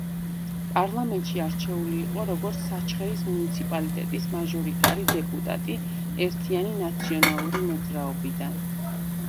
პარლამენტში არჩეული იყო როგორც საჩხერის მუნიციპალიტეტის მაჟორიტარი დეპუტატი ერთიანი ნაციონალური მოძრაობიდან.